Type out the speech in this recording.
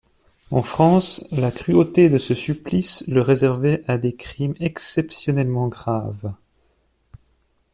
En France, la cruauté de ce supplice le réservait à des crimes exceptionnellement graves.